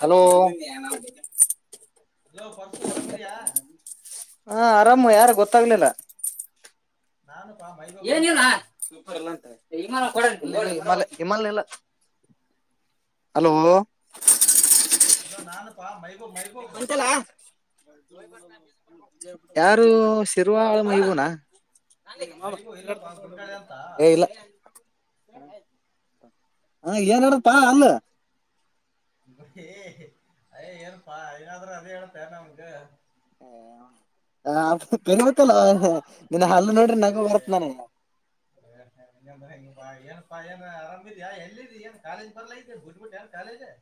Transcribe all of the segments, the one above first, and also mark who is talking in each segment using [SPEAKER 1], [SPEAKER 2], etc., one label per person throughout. [SPEAKER 1] Hello,
[SPEAKER 2] hello, ಬರ್ಸು ಆರಾಮಿದ್ದೀಯಾ... -
[SPEAKER 1] ಅರಾಮು ಯಾರು ಗೊತ್ತಾಗ್ಲಿಲ್ಲ. -
[SPEAKER 2] ನಾನುಪಾ ಮೈಬೂಬ್ ಅಂತ
[SPEAKER 1] ಏನಿಲ್ಲ ಸೂಪರ್ ಎಲ್ವಥೆ ವಿಮಲ್ ಕೂಡಾ [unintelligible] ವಿಮಲ್ ಇಲ್ಲ ಹಮಾನಲ್ಲ ಹಲೋ [unintelligible]
[SPEAKER 2] ಹಲೋ ನಾನುಪಾ ಮೈ [unintelligible] ಮೈಬುಬು. ಗೂ ಕೂ [unintelligible]
[SPEAKER 1] ಯಾರು ಶಿರ್ರುವಳ ಮಹಬೂನಾ... -
[SPEAKER 2] ಮೈಗೂ ಇಲ್ಲಪ್ಪಾ ಗುಂಡಾಳೆ ಅಂತ
[SPEAKER 1] ಏ ಇಲ್ಲ [inaudible] ಹ, [unintelligible] ಏನಾರಪ್ಪಾ ಅಲ್ಲ
[SPEAKER 2] ಏನ್ಪಾ ನಾದರ ಅೇಳ ತಣ ಅವನಗೆ [inaudible]
[SPEAKER 1] ಹ, [unintelligible] ಕಬೇಕಲ್ಲ ಇನ್ನ ಹಲ್ಲ ನೋಡ್ರಿ ನಗು ಬರುತ್ ನನಗ.
[SPEAKER 2] ಅ, ಏನ್ ಆರಾಮಿದಿ ಯಾ ಎಲ್ಲಿದಿ ನ್ ಕಾಲಜ್ ಬರ್ಲೈತಿ ಬಿಟ್ಬಿಟನ್ ಕಾಲೇಜ್ ನಾ.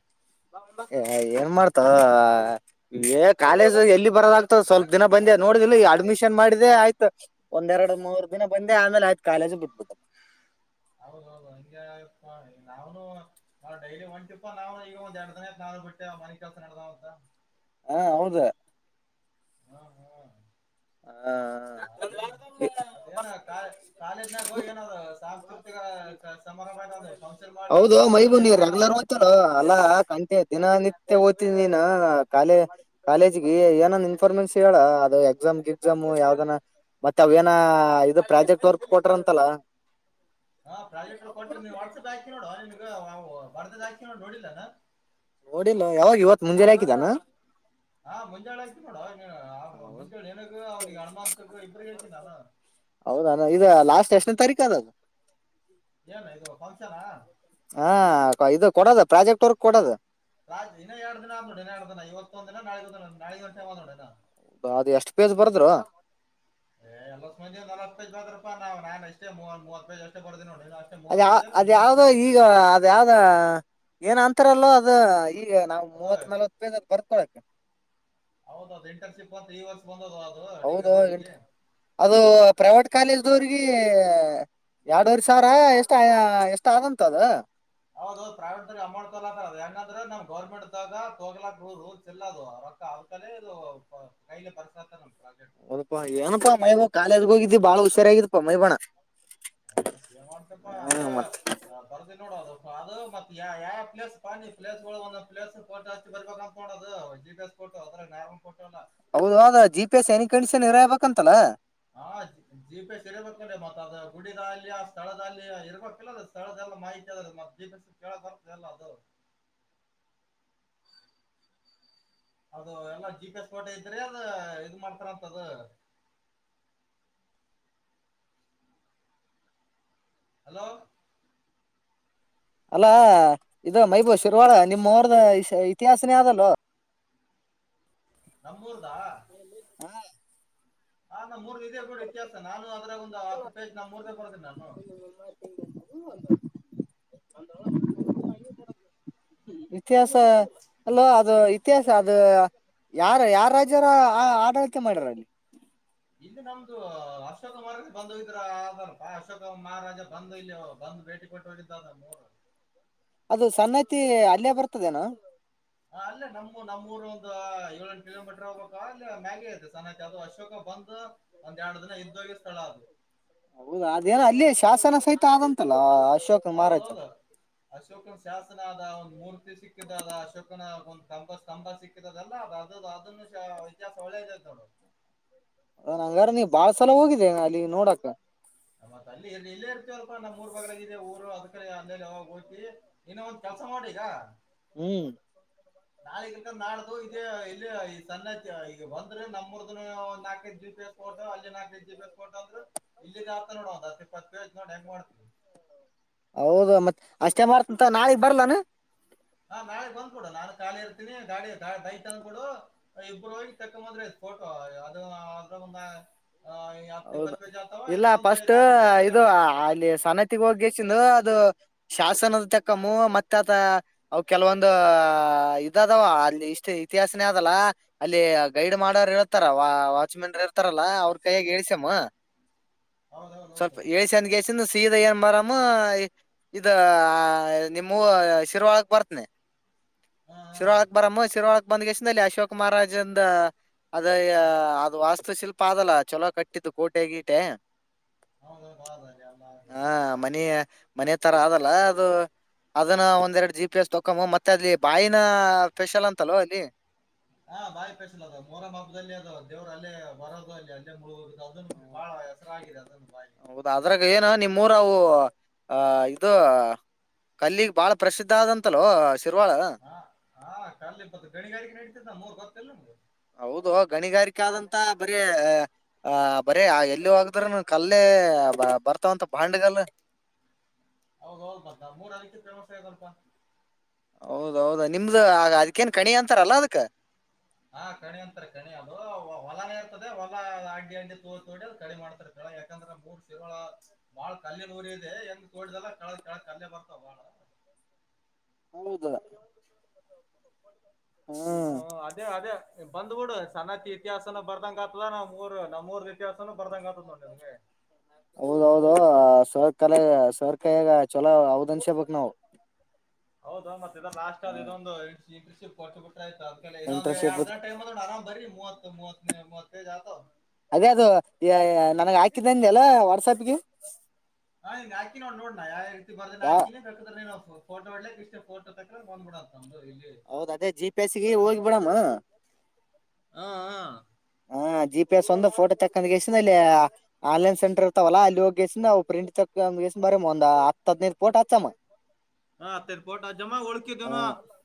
[SPEAKER 1] ಏನ್ ಮಾಡ್ತ ಕಾಲೇಜು ಎಲ್ಲಿ ಬರೋದಾಗ್ತದ ಸ್ವಲ್ಪ ದಿನ ಬಂದೆ ನೋಡಿದಲ್ಲಿ ಅಡ್ಮಿಶನ್ ಮಾಡಿದೆೆ. ಆಯ್ತು ಒಂದೆರಡು ಮೂರ್ ದಿನ ಬಂದೆ ಆಮೇಲೆ ಆಯ್ತು ಕಾಲೇಜು ಬಿಟ್ಬಿಟ್ಟ. ರ-
[SPEAKER 2] ಹೌದೌದು ಹ ನಾವನು ನ ಡೈಲಿ ಒಂಟಿಪ ನಾವ್ನು ಈಗ ಒಂದ್ ಎರಡ್ ದಿನತ್, ನಾ ಬಿಟ್ಟೆ ಮನೆ ಕೆಲಸ ನಡ್ದಾವಂತ.
[SPEAKER 1] ಹಾ, ಹೌದ...
[SPEAKER 2] ಹ್ಮ, ಹ್ಮ್,,
[SPEAKER 1] ಹಾ
[SPEAKER 2] ಹ ಅದು ಅದು ಕಾಲೇಜ್ ಹೋಗಿ. ಏನದು ಸಾಂಸ್ಕೃತಿಕ ಸಮರ್ರಂಬಏನದು. -
[SPEAKER 1] ಹೌದು ಮೈಬೂ ನೀರ್ ರೆಗ್ಯುಲರ್ ಹೋಗ್ತಿದರಲ. ಅಲ್ಲಾ ಕಂಟೆ ದಿನ ನಿತ್ಯ ಓಗತಿ. ದಿ ಕಾಲ ಕಾಲೇಜಗ ಏನ ಇನ್ಫಾರ್ಮೆನ್ಸ್ ಹೇಳ ಅದು ಎಕ್ಸಾಮ್ ಗಿಗ್ಜಾಂ. ಯಾವ್ದನ ಮತ್ತೆ ಅವೇಏನ ಇದು ಪ್ರಾಜೆಕ್ಟ್ ವರ್ಕ್ ಕೊಟ್ರ ಅಂತಲ್ಲ.
[SPEAKER 2] ಹಾ ಪ್ರಾಜೆಕ್ಟ್ ಕೊಟ್ರಿ ನೀವು ವಾಟ್ಸಪ್ಕಿ ಹಾಕು -ಬರ್ದಿದ್ ಆಯ್ತು ನೀ ನೋಡಿಲ್ಲೇನು.
[SPEAKER 1] ನೋಡಿಲ್ಲ ಯಾವಾಗ ಇವತ್ ಮುಂಜೆ ಹಾಕಿದಾನ
[SPEAKER 2] ಹಾ ಮುಂಜಾಳೆ ಆಯ್ತು ನೋಡೋ ಅವ ಮುಂಜಳ ನ ಅವನಿಗೆ ಅನುಮಾನಕ್ಕ ಇಬ್ರಿಗೂ ಹೇಳ್ತಿನಿ ನಾನು
[SPEAKER 1] ಹೌದಾನ ಇದು ಲಾಸ್ಟ್ ಎಷ್ಟನೇ ತಾರಿಕ್ ಅದು
[SPEAKER 2] ಏನ ಇದು ಫಂಕ್ಷನಾ
[SPEAKER 1] ಹಾ ಇದು ಕೊಡೋದು ಪ್ರಾಜೆಕ್ಟ್ ವರ್ಕ್ ಕೊಡದು
[SPEAKER 2] ಇನ್ನ ಎರಡು ದಿನ ನೋಡಿ ಇನ್ನ ಎರಡ್ ದಿನ ಇವತ್ತೊಂದ ದಿನ ನಾಳಿದ್ದು ಒಂದು ದಿನ [unintelligible]
[SPEAKER 1] ಹೌದ ಅದು ಎಷ್ಟು ಪೇಜ ಬರ್ದ್ರು
[SPEAKER 2] ಹೇಯ್ ಎಲ್ಲ ಒಂದು ಅಷ್ಟು ಮಂದಿ ನಲ್ವತ್ತು ಪೇಜ್ ಬರ್ದರಪ್ಪ ನಾನ್ ಅಷ್ಟೇ ಮೂವತ್ತು ಮೂವತ್ತು ಪೇಜ್ ಅಷ್ಟೇ ಬರ್ದಿನಿ ನೋಡು
[SPEAKER 1] ಅದ ಯಾವ ಅದ ಯಾವ್ದೋ ಈಗ ಅದ ಯಾವ್ದ ಏನ್ ಅಂತಾರಲ್ಲೋ ಅದ ನಾವು
[SPEAKER 2] ಅದು
[SPEAKER 1] ಮೂವತ್ ನಲ್ವತ್ ಪೇಜ್ ಬರ್ಕೊಳಕ್ಕೆ
[SPEAKER 2] ಹೌದೌದು ಇಂಟರ್ನ್ಶಿಪ್ ಈ ವರ್ಷ ಬಂದದ ಅದು
[SPEAKER 1] ಹೌದು
[SPEAKER 2] ಡಿಗ್ರಿದವರಿಗೆ
[SPEAKER 1] [unintelligible] ಅದು ಪ್ರೈವೇಟ್ ಕಾಲೇಜ್ ಅವದವರಿಗೆ ಎರಡವರೆ ಸಾವಿರ ಎಷ್ಟ ಎಷ್ಟ ಆಗಂತ ಅದ
[SPEAKER 2] ಹೌದ ಪ್ರೈವೇಟ್ ಅಂಮೌಂಟ್ ತಗೋಳಕಾತಾರ್ ಏಂಗಂದ್ರೆ ನಮ್ ಗೌರ್ಮೆಂಟ್ದಾಗ ತೊಗೊಳಕ್ಕ ರೂಲ್ಸ್ ಇಲ್ಲ ಅದು ರೊಕ್ಕ ಅಕ ಇದು ಕೈಲಿ [unintelligible]
[SPEAKER 1] [unintelligible] ಕಾಲೇಜ ಹೋಗಿದ್ದಿ ಬಾಳ ಹುಷಾರಾಗಿರಪ್ಪ ಮೈಬಣ್ಣ
[SPEAKER 2] ಏನ್ ಮಾಡ್ತಪ್ಪಾ ಅದೇ
[SPEAKER 1] ಮತ್
[SPEAKER 2] ಬರ್ದಿ ನೋಡ ಅದು ಅದು ಮತ್ತ ಯಾವ ಪ್ಲೇಸ್ ಪ ಪ್ಲೇಸ್ ಒಂದು ಪ್ಲೇಸ್ ಹಚ್ಚಿ ಬರ್ಬೇಕ ಅಂತ ನೋದಡು ಜಿ ಪಿ ಎ ಫೋಟೋ ಅದ್ರ ನಾರ್ಮಲ್ ಫೋಟೋ ಅಲ್ಲ
[SPEAKER 1] ಹೌದು ಅದ ಜಿ ಪಿ ಎಸ್ ಏನಕ್ಕೆ [unintelligible]
[SPEAKER 2] ಹಾ ಜಿ ಪಿ ಎಸ್ ಇರ್ಬೇಕೀ ಮತ್ ಅದ ಗುಡಿದ ಅಲ್ಲಿ ಆ ಸ್ಥಳದ ಅದಲ್ಲಿಯ ಇರ್ಬೇಕಿಲ್ಲ ಸ್ಥಳದಲ್ಲ ಮಾಹಿತಿ ಅದು ಮತ್ತ್ ಜಿ ಪಿ ಸ್ ಕೇಳ ಬರಲ್ಲ ಅದು ಅದು ಎಲ್ಲಾ ಜಿ ಪಿ ಎಸ್ ಕೋಟೆ ಅದು ಇದ್ರೆ ಮಾಡ್ತಾರಂತ ಅದು ಹಲೋ
[SPEAKER 1] ಅಲ್ಲಾ ಇದು ಮೈಬೂ ಶಿರ್ರುವಳ ನಿಮ್ಮ್ದು ಇತಿಹಾಸನೇ ಅದಲ್ಲೋ
[SPEAKER 2] ನಮ್ಮೂರದಾ
[SPEAKER 1] ಹಾ
[SPEAKER 2] ನಮ್ಮೂರು ಇದೇ ನೋಡು ಇತಿಹಾಸ ನಾನು ಅದ್ರಾಗ ಒಂದು ಹತ್ತು ಪೇಜ್ ನಮ್ಮೂರದೇ ಬರ್ದಿನಿ ನಾನು
[SPEAKER 1] ಇತಿಹಾಸ ಅಲ್ಲಾ ಅದು ಇತಿಹಾಸ ಅದು ಯಾರ ಯಾರ ರಾಜ್ಯರಆಡಳಿಕ್ಕೆ ಮಾಡ್ಯಾರ ಅಲ್ಲಿ
[SPEAKER 2] ಇಲ್ಲಿ ನಮ್ದು ಅಶೋಕ ಮಾರ ಬಂದ ಇದ್ರ ಅಲ್ ಅಶೋಕ ಮಹಾರಾಜ ಬಂದ ಇಲ್ಲಿ ಬಂದು ಭೇಟಿ ಕೊಟ್ಟಿದು ಮೂರು
[SPEAKER 1] ಅದು ಸನ್ನತಿ ಅಲ್ಲೇ ಬರ್ತದೇನಾ
[SPEAKER 2] ಹಾ ಅಲ್ಲೇ ನಮ್ಮ ನಮ್ಮೂಊರ್ ಒಂದ್ ಏಲೆಂಟು ಕಿಲೋಮೀಟರ್ ಹೋಗ್ಬೇಕು ಅಲ್ಲ ಮ್ಯಾಗೆ ಐತೆ ಸನತಿ ಅದು ಅಶೋಕ ಬಂದ ಒಂದ್ ಎರಡು ದಿನ ಇದ್ದೋಗಿ ಸ್ಥಳ ಅದು
[SPEAKER 1] ಹೌದ ಅದೇನ ಅಲ್ಲಿ ಶಾಸನ ಸಹಿತ ಆದಂತಲ್ಲ ಅಶೋಕ ಮಹಾರಾಜ
[SPEAKER 2] ಹೌದೌದು ಅಶೋಕನ ಶಾಸನ ಅದ ಒಂದ್ ಮೂರ್ತಿ ಸಿಕ್ಕಿದ ಅದ ಅಶೋಕನ ಒಂದ ಸ್ತಂಭ ಸಿಕ್ಕಿದದಲ್ಲ ಅದ ಅದನ್ನು ಇತಿಹಾಸ ಒಳ್ಳೇದ ನೋಡ
[SPEAKER 1] ಹಾ ಹಂಗಾರ ನೀ ಬಾಳ ಸಲ ಹೋಗಿದ್ದೇ ಅಲ್ಲಿ ನೋಡಾಕ
[SPEAKER 2] ಮತ್ತ್ ಅಲ್ಲಿ ಇಲ್ಲೇ ಇರ್ತವಲ್ಪ ನಮ್ಮ್ ಮೂರ್ ಬಗ್ಗಳಗಿದೆ ಊರು ಅದ್ ಕಡೆ ಅಂದೇಲೆ ಯಾವಾಗ ಹೋಗ್ತಿ ಇನ್ನ ಒಂದ್ ಕೆಲಸ ಮಾಡು ಈಗ
[SPEAKER 1] ಹ್ಮ್
[SPEAKER 2] ನಾಳೆ ಇಲ್ಲ ನಾಳಿದ್ದು ಇಲ್ಲೇ ಸಾನ್ನತಿ ಈಗ ಬಂದ್ರೆ ನಮ್ಮೂರದುನು ನಾಲ್ಕೈದು ಜಿ ಪಿ ಎಸ್ ಫೋಟೋ ಅಲ್ಲಿ ನಾಲ್ಕೈದು ಜಿ ಪಿ ಎಸ್ ಫೋಟೋ ಅಂದ್ರೆ ಇಲ್ಲಿಗೆ ಆತ ನೋಡ ಒಂದ್ ಹತ್ತು ಇಪ್ಪತ್ತು ಪೇಜ್ ನೋಡು ಹೆಂಗ ಮಾಡ್ತಿ
[SPEAKER 1] ಹೌದ ಮತ್ತ ಅಷ್ಟೇ ಮಾಡ್ತೀನಿ ತಗೋ ನಾಳಿದ್ದು ಬರಲೇನು
[SPEAKER 2] ಹಾ ನಾಳೆಗ್ ಬಂದ್ಬಿಡು ನಾನು ಖಾಲಿ ಇರ್ತೀನಿ ಗಾಳಿ ದೈ ತ ಅಂದ್ಬಿಡು ಇಬ್ರು ಹೋಗಿ ತಕೊ ಬಂದ್ರೆ ಫೋಟೋ ಅದು ಅದ್ರ ಒಂದ ಆ, ಈ ಹತ್ತು
[SPEAKER 1] ಹೌದ
[SPEAKER 2] ಇಪ್ಪತ್ತು ಪೇಜ್ ಆಗ್ತಾವ
[SPEAKER 1] ಇಲ್ಲ
[SPEAKER 2] ಇನ್ನೊಂದು
[SPEAKER 1] ಫಸ್ಟ್
[SPEAKER 2] ನಾಲ್ಕೈದು ಫೋಟೋ ಎಲ್ಲ
[SPEAKER 1] ಇದು
[SPEAKER 2] ತಕ್ಕಂತ
[SPEAKER 1] ಅಲ್ಲಿ ಸನತಿಗ್ ಹೋಗಿ ಎಂದು ಅದು ಶಾಸನದ ಚಕ್ಕಮು ಮತ್ತೆ ಆತ ಅವ ಕೆಲವೊಂದು ಇದದವ ಅಲ್ಲಿ ಇಷ್ಟ ಇತಿಹಾಸನೇ ಅದಲ್ಲ ಅಲ್ಲಿ ಗೈಡ್ ಮಾಡೋರ್ ಇರ್ತಾರ ವ ವಾಚ್ಮೆನ್ ಇರ್ತಾರಲ್ಲಾ ಅವ್ರ ಕೈಯಾಗ ಹೇಳಸ ಾ [inaudible]
[SPEAKER 2] ಹೌದೌದು
[SPEAKER 1] ಸ್ವಲ್ಪ
[SPEAKER 2] ಹೌದು
[SPEAKER 1] ಏಳ್ಸನ್ಗೆಸ ಸೀದ ಏನ್ ಬರಾಮ ಇದ ನಿಮ್ಮೂ ಶಿರ್ವಾಳಗ್ ಬರ್ತನಿ
[SPEAKER 2] ಹಾ ಹಾ
[SPEAKER 1] ಶಿರವಾಳಕ್ ಬರಮ್ಮ ಶಿರಾಳಕ್ ಬಂದ ಕೆಷ್ಟಲ್ಲಿ ಅಶೋಕ ಮಹಾರಾಜ್ ಅಂದ ಅದ ಅದ್ ವಾಸ್ತು ಶಿಲ್ಪ ಅದಲ್ಲ ಚಲೋ ಕಟ್ಟಿದ್ದು ಕೋಟೆ ಗೀಟೆ
[SPEAKER 2] ಹೌದೌದು ಹೌದು ಅಲ್ಲಿ ಎಲ್ಲ
[SPEAKER 1] ಹಾ ಮನೆಯ ಮನೆ ತರ ಆದದಲ್ಲ ಅದು ಅದನ್ನ ಒಂದೆರಡು ಜಿ ಪಿ ಎಸ್ ತೊಕೊು ಮತ್ತೆ ಅದ್ ಬಾಯಿನ ಸ್ಪೆಷಲ್ ಅಂತಲ್ವ ಅಲ್ಲಿ
[SPEAKER 2] ಹಾ ಬಾಯಿ ಸ್ಪೆಷಲ್ ಅದ ಮರ ಹಬ್ಬದಲ್ಲಿ ಅದ ದೇವ್ರ ಅಲ್ಲೇ ಬರೋದು ಅಲ್ಲಿ ಅಲ್ಲೇ ಮುಳುವುದು ಅದ ಬಾಳ ಹೆಸರಾಗಿದೆ ಅದನ್ನು ಬಾಯ
[SPEAKER 1] ಇ ಕಲ್ಲಿ ಬಾಳ ಪ್ರಸಿದ್ಧ ಆದಂತ
[SPEAKER 2] ಹಾ ಹಾ ಕಲ್ಲ ಇ ಬ ಗಣಿಗಾರಿಕೆ ನಡತಿದ್ದ ನ ಮೂರ್ ಗೊತ್ತಲ್ಲ
[SPEAKER 1] ಹೌದು ಗಣಿಗಾರಿಕೆ ಆದಂತ ಬರೀ ಆ ಬರ ಎಲ್ಲಿ ಹೋಗ್ದ್ರ ಕಲ್ಲೇ ಬರ್ತಾವಂತ ಬಾಂಡಗಲ್
[SPEAKER 2] ಹೌದ ಹೌದ ಬರ್ತ ಮೂರ್ ಅ ರೀ ಫೇಮಸ್ ಆದಲ್ಪ
[SPEAKER 1] ಹೌದೌದ ನಿಮ್ದು ಆಗ ಅದಕ್ಕೇನ್ ಕಣಿ ಅಂತಾರಲ್ಲ ಅದಕ್
[SPEAKER 2] ಹಾ ಕಣಿ ಅಂತಾರೆ ಕಣಿ ಅದು ಹೊಲನೇ ಇರ್ತದೆ ಹೊಲ ಅಡ್ಡಿ ಅಡ್ಡಿ ತೋ ತೋಡಿ ಅ ಕಣಿ ಮಾಡ್ತಾರೆಳ ಯಾಕಂದ್ರೆ ಮೂರ್ ಶಿರಳ ಬಾಳ ಕಲ್ಲಿನ ರಿ ಇದೆ ಹೆಂಗ್ ತೋಡ್ದಲ್ಲ ಕಲ್ಲ ಬರ್ತಾವ ಬಾಳ
[SPEAKER 1] ಹೌದ ಹ್ಮ್
[SPEAKER 2] ಹ್ಮ ಅದೇ ಅದೇ ಬಂದ್ಬುಡು ಸಣನ್ನತಿ ಇತಿಹಾಸನು ಬರ್ದಂಗ ಆಗ್ತದ ನಮ್ೂರ್ ನಮ್ೂರ್ದ ಇತಿಹಾಸನು ಬರ್ದಂಗ ಆತದ ಅದಂಗೆ
[SPEAKER 1] ಸರ್ಕಲೆ ಸರ್ಕಾಯಾಗ ಚಲೋ ಹದ್ ಅನ್ಷೇ ಬಕ್ ನಾವವು
[SPEAKER 2] ಹೌದಾ ಮತ್ತೆ ಲಾಷ್ಟ ಇದುಒಂದು ಸ್ವೀೃಷಫೋರ್ಗಳು ಆಯ್ತ ಇನ್ನೊಂದಂದು ಎರ
[SPEAKER 1] ಇಂಟರ್ನ್ಶಿಪ್
[SPEAKER 2] ದಿನ ಟೈಮ್ ಆರಾಮ ಬರಿ ಮೂವತ್ತು ಮೂವತ್ತೈದು ಇದಾವೆ
[SPEAKER 1] ಅದೇ ಅದು ನನಗ ಹಾಕಿದ್ದೇನ್ ಅಲ್ಲ ವಾಟ್ಸಪ್ಗೆ
[SPEAKER 2] ಹಾ್ನ್ ಹಾಕಿ ನೋ ನೋಣ ಯಾವ ರೀತಿ ಬರ್ದೇ
[SPEAKER 1] ಯಾವ
[SPEAKER 2] ಹಾಕೇೇಕಾದ್ರ ಫೋಟೋಡ್ಲಿಕ್ ಇಷ್ಟ ಫೋ ತಕ್ರ ಬಂದ್ಬಿಡತ್ತದು
[SPEAKER 1] ಹೌದ ಅದೇ ಜಿ ಪಿ ಎಸ್ಗೆ ಹೋಗಿ ಬಿಡಾಮ
[SPEAKER 2] ಹಾ ಹ
[SPEAKER 1] ಹಾ ಜಿ ಪಿ ಎಸ್ ಒಂದ ಫೋಟೋ ತಕ್ಕಂದ್ ಗಸ್ಸ ಅಲ್ಲಿ ಆನ್ಲೈನ್ ಸೆಂಟರ್ ಇರ್ತವಲ್ಲ ಅಲ್ಲಿ ಹೋಗಿಗೆಸ್ಸವು ಪ್ರಿಂಟ್ ತಕ್ಕ್ಸ ಬರ ಒಂದ ಹದ್ೈದು್ ೋಟೋ ಹಚ್ಚಮ್ಮ
[SPEAKER 2] ಹ ತ ಪೋಟ್ ಅ ಜಮ್ಮಾ
[SPEAKER 1] ಹ
[SPEAKER 2] ಉಳುಕಿದೇವನ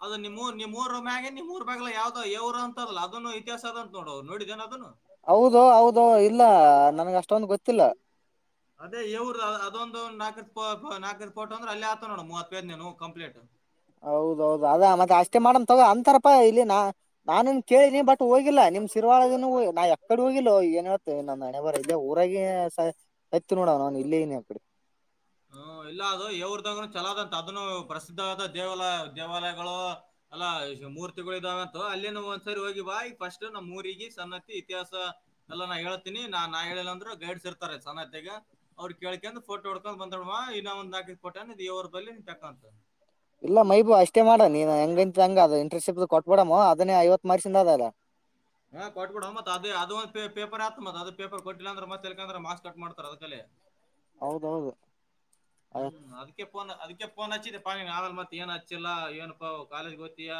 [SPEAKER 2] ಅದ ನಿಮಮ್ಮ ನೀಮ್ ಮೂರ ಮ್ಯಾಗೆ ನೀವು ಮೂರ್ ಬ್ಯಾಗಲಾಾವ್ದಾವವ್ ಅಲ್ಲ ಅದನ್ನು ಇತಿಹಾಸ ಅದ ಅಂತ ನೋಡ ನೋಡಿದೇನ ಅದನು
[SPEAKER 1] ಹೌದು ಹೌದು ಇಲ್ಲ ನನ್ಗ ಅಷ್ಟೊಂದು ಗೊತ್ತಿಲ್ಲ
[SPEAKER 2] ಅದೇ ಇವರು ಅದೊಂದು ನಾಲ್ಕ ನಾಲ್ಕತ್ ಪೋಟ್ ಅಂದ್ರ ಅಲ್ಲಿ ಆತ ನೋಡ ಮೂವ ಹತ್ತೈದ್ ನೀನು ಕಂಪ್ಲೀಟ್
[SPEAKER 1] ಹೌದೌದು ಅದ ಮತ್ತೆ ಅಷ್ಟೇ ಮಾಡನ್ ತಗೋ ಅಂತಾರಪಾ ಇಲ್ಲಿ ನಾ ನಾನನ್ ಕೇಳಿನಿ ಬಟ್ ಹೋಗಿಲ್ಲಾ ನಿಮ್ ಶರ್ವಾಳಗ ನಾ ಎಕಡೆ ಹೋಗಿಿಲ್ಲೋ ಏನ್ ಹೇಳ್ತ ನಂದ ನಣೆ ಬರ ಇಲ್ಲೇ ಊರಾಗ ಆತಿ ನೋಡವ ನ ಅವನ್ ಇಲ್ಲಿ ಇನ ಯಕಡೆ
[SPEAKER 2] ಹ್ಮ ಇಲ್ಲ ಅದು ಯವ್ರದಾಗನು ಚಲದಂತ ಅದನು ಪ್ರಸಿದ್ಧವಾದ ದೇವಾಲ ದೇವಾಲಯಗಳು ಎಲ್ಲಾ ಮೂರ್ತಿಗಳು ಇದಾವಂತ ಅಲ್ಲಿನ ಒಂದ್ಸರಿ ಹೋಗಿ ಬಾಯ್ ಫಸ್ಟ್ ನಮ್ಮ್ ಊಗ ಸನ್ನತಿ ಇತಿಹಾಸ ಎಲ್ಲಾನ ಹೇಳ್ತಿನಿ ನಾ ನಾ ಹೇಳಿಲ್ಲ ಅಂದ್ರು ಗೈಡ್ಸ್ ಇರ್ತಾರೆ ಸನ್ನತ್ತಗ ಅವ್ರ ಕೇಳ್ಕಂದ ಫೋಟೋ ಹ ಬಂದಡವಾ ಇಲ್ಲ ಒಂದ ಹಾಕಿದಕ್ ಕೊಟ್ಟೆ ಇವರು
[SPEAKER 1] ಇಲ್ಲ ಮೈಬೂ ಅಷ್ಟೇ ಮಾಡ ನೀನ್ ಹೆ ಹಂಗ ಅ ಇಂಟೆಸ್ ಶಿಪ್ ಕೊಟ್ಬಿಡಮ ಅದೇ ಐವತ್ತುತ್ರ್ಸಿಂದ ಅದಲ್ಲ
[SPEAKER 2] ಹಾ್ ಕೊಟ್ ಕೊೊಡ ಮತ್ತತ್ ಅದು ಅದ ಒಂದ ಪೇಪರ್ ಆತ್ ಅದು ಪೇಪರ್ ಕೊಟ್ಟಿಲ್ಲ ಅಂದ್ರ ಮತ್ತತ್ ಎಕಂದ್ರೆ ಮಾಕ್ಸ್ ಕಟ್ ಮಾಡ್ತಾರ ಅದಕೇ
[SPEAKER 1] ಹೌದೌದು
[SPEAKER 2] ಹ್ಮ್ ಅದಕ್ಕೆ ಎಪ್ಪ ಅ ಫೋನ್ ಹಚ್ಚಿದೆ ಪಾನಿನ್ ಆಮೇಲ್ ಮತ್ ಏನ್ ಹಚ್ಚಿಲ್ಲಾ ಏನಪ ಕಾಲೇಜ್ ಗೊತ್ತಯಾ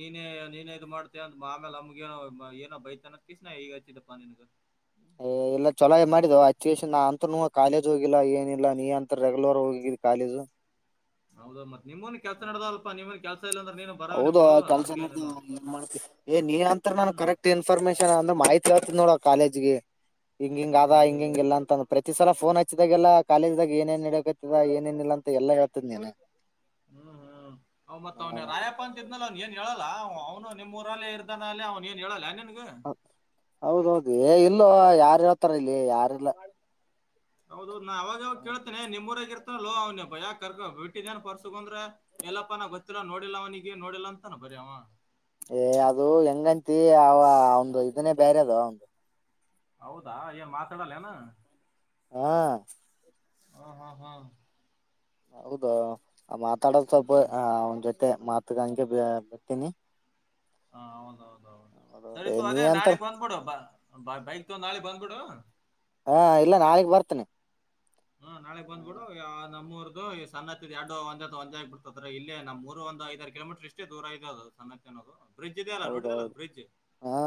[SPEAKER 2] ನೀನೇ ನೀನೇ ಇ್ ಮಾಡ್ತ ಅಂದ ಆಮೇಲೆ ನಮ್ಗ ಏನೋ ಬೈತಾನ ಕಿಸನ ಈಗ ಹಚ್ಚಿದ್ದ ಪಾನಿನ್ಿಗೆ
[SPEAKER 1] ಎಲ್ಲಾ ಚೊಲಾಗಿ ಮಾಡಿದ್ ಅಚ್ಚಷನ್ ನಾ ಅಂತನು ಕಾಲೇಜ್ ಹೋಗಿಲ್ಲ ಏನಿಲ್ಲ ನೀ ಅಂತ ರೆಗ್ಯುಲರ್ ಹೋಗಿದಿ ಕಾಲೇಜು
[SPEAKER 2] ಹೌದಾ ಮತ್ತೆ
[SPEAKER 1] ಹ್ಮ
[SPEAKER 2] ನೀನು ಬರವನೆ
[SPEAKER 1] ಹೌದು
[SPEAKER 2] ಬಿಡು
[SPEAKER 1] ಆ ಕೆಲ್ಸನ್ದ
[SPEAKER 2] ಹಂಗೇನಿಲ್ಲ
[SPEAKER 1] ಏನ್ ಮಾಡ್ತವಿ ಏ ನೀ ಅಂತ ನನ್
[SPEAKER 2] ಹ್ಮ್
[SPEAKER 1] ಕರೆಕ್ಟ್ ಇನ್ಫಾರ್ಮೇಶನ್ ಅಂದ್ರ ಮಾಹಿತಿ ಆತ ನೋಡ ಕಾಲೇಜ್ಗೆ ಹಂಗ ಹಂಗ ಆದದ
[SPEAKER 2] ಹ್ಮ್ ಹ್ಮ್
[SPEAKER 1] ಹಂಗಲ್ಲ ಅಂತ ಅ ಪ್ರತಿ ಮ ಸಲ ಫೋನ್ ಹಚ್ಚಿದಾಗೆಲ್ಲ ಕಾಲೇಜ್ದಾಗ ಏನೇಏನ್ ಇಡಕತ್ತದ ಏನೇನಿಲ್ಲ ಅಂತ ಎಲ್ಲ ಹೇಳ್ತದ ನೀನು
[SPEAKER 2] ಹ್ಮ್ ಹ್ಮ್ ಅವ ಮತ್ ಅವನ ರಾಯಪ್ಪಾ ಅಂತ ಇದ್ನಲ್ಲ ಅವ್ನ್ ಏನ್ ಹೇಳಲ್ಲ ಅವನು ನಿಮ್ಮ ಊರಲ್ಲಿೇ ಇರ್ತಾನ ಅಲ್ಲಿ ಅವ್ನು ಏನು ಹೇಳಲ್ಲ ನಿನ್
[SPEAKER 1] ಹ ಹೌದೌದು ಇನ್ನು ಇಲ್ಲ ಯಾರ ಇರತಾರ ಇಲ್ಲಿ ಯಾರಿಲ್ಲ
[SPEAKER 2] ದು ನಾ ಅವಾಗ ಕೇಳ್ತೇನೆ ನಿಮ್ಮೂರ ಆಾಗಿತ ೋ ಅವ್ನ ಬ ಯಾಕ ಕರ್ ಬಿಟ್ಟಿದ್ದೇನ್ ಪರ್ಸಗಂದ್ರೆ ಎಲ್ಲಪ್ಪನ ಗೊತ್ತಿರ ನೋಡಿಲ್ಲ ಅವನಿಿಗೆ ನೋಡಿಲ್ಲಾ ಅಂತಾನ ಬರ್ಯವ
[SPEAKER 1] ಏ ಅದು ಹೆಂಗಂತಿ ಅವ ಒಂದು ಇದನೇ ಬೇರೆ ಅದು ಒಂದು
[SPEAKER 2] ಹೌದಾ ಏ ಮಾತಾಡಲ್ಲ ಏನ
[SPEAKER 1] ಹ್ಮ
[SPEAKER 2] ಹ ಹಾ ಹಾ
[SPEAKER 1] ಹೌದಾ ಮಾತಾಡತಪ್ಪ
[SPEAKER 2] ಹ್ಮ್
[SPEAKER 1] ಮತ್ತೆ ಮಾತುಗಂಗೆ ಬಿತಿನಿ
[SPEAKER 2] ಹಾ ಹೌದೌದು ಹ ಸರಿತು
[SPEAKER 1] ನೀ
[SPEAKER 2] ಅದೇ
[SPEAKER 1] ಅಂತಾರ
[SPEAKER 2] ನಾಳಗ್ ಹೊಂದ್ಬಿಡುುವ ಬ ಬ ಬೈಕ್ ತೊ ನಾಳೆ ಬಂದ್ಬಿಡು
[SPEAKER 1] ಹಾ ಇಲ್ಲ ನಾಳಗ್ ಬರ್ತೇನೆ
[SPEAKER 2] ಹಾ ನಾಳೆ ಬಂದ್ಬಿಡು ನಮ್ಮೂರು ಇದು ಈ ಸಣ್ಣತ್ತ ಎರಡು ಒಂದ ಒಂದಜ ಆಗ್ಬ ಬಿಡ್ತದ್ರ ಇಲ್ಲಿ ನಮ್ಮ್ ಮೂರು ಒಂದ ಐದಾರರ್ ಕಿಲೋಮೀಟರ್ ಇಷ್ಟೇ ದೂರ ಇದೆ ಅದು ಸಣ್ಣತ್ತ ಅನ್ನೋದು ಬ್ರಿಜ ದಲ್ಲ ಉಟಲ್ಲ
[SPEAKER 1] ಹೌದೌದು
[SPEAKER 2] ಬ್ರಿಜ
[SPEAKER 1] ಹಾ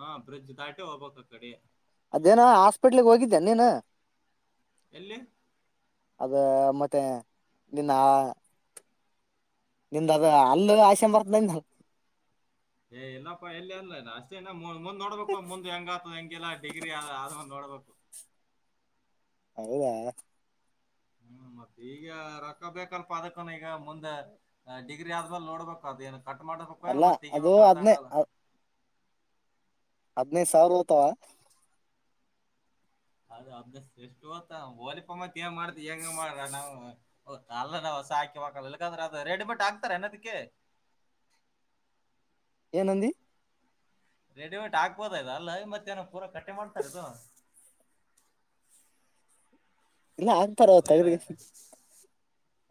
[SPEAKER 2] ಹಾ ಬ್ರಿಡ್ಜ್ ದಾಟೆ ಹೋಗ್ಬಕ್ ಅ ಕಡೆ
[SPEAKER 1] ಅದೇನ ಹಾಸ್ಪಿಟ್ಲ್ಿಗೆ ಹೋಗಿದ್ದೇ ನೀನು
[SPEAKER 2] ಎಲ್ಲಿ
[SPEAKER 1] ಅದ ಮತ್ತೆ ನಿನ್ನ ನಿಂದ ಅದ ಅಲ್ಲ ಆಶೆ ಬರ್ತದಿಂದ
[SPEAKER 2] ಏ ಇಲ್ಲಪ್ಪಾ ಎಲ್ಲಿ ಅನ್ಲ ಅಷ್ಟೇನ ಮುಂದ್ ನೋಡ್ಬೇಕು ಮುಂದ ಹೆಂಗ ಆತದ ಹೆಂಗಗೆಲ್ಲ ಡಿಗ್ರಿ ಅದ ಅದ್ ನೋಡ್ಬೇಕು
[SPEAKER 1] ಹೌದಾ.
[SPEAKER 2] ಹ್ಮ್ ಮತ್ತೆ ಈಗ ರೊಕ್ಕ ಬೇಕಲ್ ಪ ಅದಕ್ಕನ ಈಗ ಮುಂದೆ ಡಿಗ್ರಿ ಆದ್ಮೇಲ್ ನೋಡ್ಬೇಕ ಅದು ಏನ. ಕಟ್ ಮಾಡಬೇಕಕ್ ಏನು
[SPEAKER 1] ಅಲ್ಲ
[SPEAKER 2] ಮತ್ತ
[SPEAKER 1] ಅದು
[SPEAKER 2] ತೆಗಿಬೇಕಕ್
[SPEAKER 1] ಹದ್ನೇ
[SPEAKER 2] ಗೊತ್ತಾಗಲ್ಲ.
[SPEAKER 1] ಹದ್ನೈದು ಸಾವಿರ [unintelligible]
[SPEAKER 2] [unintelligible] ಮಾಡತಿ ಹೆಂಗ ಮಾಡ್ರ ನಾವು. ಅಲ್ಲ ನಾವವು ಸಾಕಿ ಹಕಲ್ಲ ಯಾಕಂದ್ರೆ ಅದು ರೆಡಿಮೆಟ್ ಆಗ್ತಾರ ಅನ್ನದಕ್ಕೆ.
[SPEAKER 1] ಏನಂದಿ.
[SPEAKER 2] ರೆಡಿಮೇಟ್ ಆಗ್ಬೋದ ಇ ಅಲ್ಲ ಮತ್ತೇಏನೋ ಪೂರಾ ಕಟ್ಟಿ ಮಾಡ್ತಾರ ಇದು.
[SPEAKER 1] ಇಲ್ಲ ಹಾಕ್ತಾರಾ
[SPEAKER 2] ಅದು ಏನ
[SPEAKER 1] ತಗ್ದ.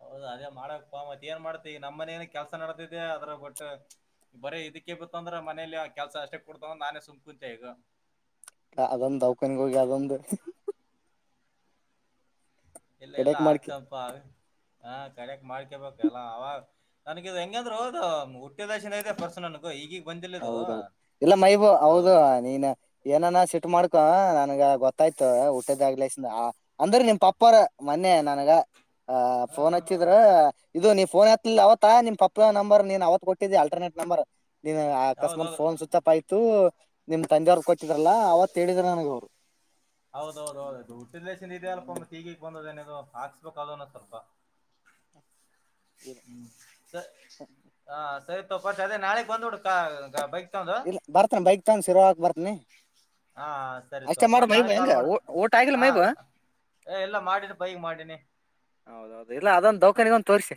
[SPEAKER 2] ಹೌದ ಅದೇ ಮಾಡಕ್ ಪ ಮತ್ ಏನ್ ಮಾಡ್ತಿ ಈ ನಮ್ಮ ಮನೆನ ಕೆಲ್ಸ ನಡತಿದ್ದ ಅ್ರ ಬಟ್ ಬರೇ ಇದಕ್ಕೆ ಬಿತ್ತ ಅಂದ್ರೆ ಮನೇಲಿ ಕೆಲ್ಸ ಅಷ್ಟೇ ಕೊಡ್ತ್ರ ನಾನೇ ಸುಮ್ಕ ಕುಂತೆ ಈಗ.
[SPEAKER 1] [unintelligible]
[SPEAKER 2] ಇಲ್ಲ ಇಲ್ಲ
[SPEAKER 1] ಕಡೆಕ್ ಮಾಡ್ಕಿ
[SPEAKER 2] ಆಗ್ಸಪಾ. ಹಾ ಕಡಕ್ ಮಾಡ್ಕೊಬೇಕಲ್ಲಾ ಅವಾಗ ನನಗಿದದು ಹೆಂಗಂದ್ರರು ಹೌದು ಹುಟ್ಟಿದಶಿನ ಇದೆ ಪರ್ಸ ನನ್ಗು ಈಗ.
[SPEAKER 1] ಹೌದೌದು ಇಲ್ಲ ಮೈಬೂ ಹೌದು ನೀನ್ ಏನಾನ ಸಿಟ್ ಮಾಡ್ಕೊ ನನ್ಗ ಗೊತ್ತ. ಆಯ್ತು ಊಟದಾಗ್ಲ ಅಂದ್ರೆ ನಿಮ್ ಪಪ್ಪಾರ ಮೊನ್ನೆ ನನಗ. ಹ ಫೋನ್ ಹಚ್ಚಿದ್ರ. ಇದು ನೀ್ಫೋನ್ ಹತ್ ಅವತ್ತ ನಿಮ ಪಪ್ಪ ನಂಬರ್ ನೀನ್ ಅವತ್ ಕೊಟ್ಟಿದ್ದಿ ಅಲ್ಟರ್ನೇಟ್ ನಂಬರ್. ನಿ ಅಕಸ್ಮಾತ್
[SPEAKER 2] ಹೌದೌದು
[SPEAKER 1] ಫೋನ್ ಸ್ವಿಚಾಪ್ ಆಯ್ತು. ನಿಮ್ ತಂದೆಯವ್ರು ಕೊಟ್ಟಿದ್ರಾರಲ್ಲ ಅವತ್ ಹೇಳಿದ್ರ ನನಗೆ ಅವ್ರು.
[SPEAKER 2] ಹೌದೌದು ಹೌದ್
[SPEAKER 1] ಅವ್ರು
[SPEAKER 2] [unintelligible] ಬಂದದೇನ. ಅದು ಹಾಕ್ಸ್ಬೇಕ ಅದನ ಸ್ವಲ್ಪ.
[SPEAKER 1] ಇಲ್ಲ
[SPEAKER 2] ಹ್ಮ ಸ ಹ ಸತ್. ರ್ ಅದೇ ನಾಳೆ ಬಂದು್ಡು ಬೈಕ್. ತಗೊಂಡು
[SPEAKER 1] ಇಲ್ಲ ಬರ್ತನ ಬೈಕ್ ತಗ ಶಿರಾಕ್ ಬರ್ತನಿ
[SPEAKER 2] ಹಾ ಸರಿ ತೋ
[SPEAKER 1] ಅಷ್ಟೇ ಮಾಡ
[SPEAKER 2] ಮತ್ ನಾಳೆ
[SPEAKER 1] ಮೈಬೂ ಹೆಂಗ
[SPEAKER 2] ಕಾಲ್ ಮಾಡು
[SPEAKER 1] ಊಟ ಆಗಿಲ್ಲ
[SPEAKER 2] ಹಾ
[SPEAKER 1] ಮೈಬೂ
[SPEAKER 2] ಏ ಇಲ್ಲ ಮಾಡೀನಿ ಬೈಗ್ ಮಾಡೀನಿ
[SPEAKER 1] ಹೌದೌದು ಇಲ್ಲ ಅದೊಂದ ದೌಕಾನಿಗೊಂದ ತೋರ್ಸಿ.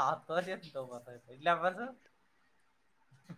[SPEAKER 2] ಆತ [unintelligible] ಇಲ್ಲ ಅ. ಸ